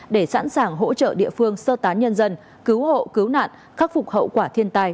để sẵn sàng hỗ trợ địa phương sơ tán nhân dân cứu hộ cứu nạn khắc phục hậu quả thiên tai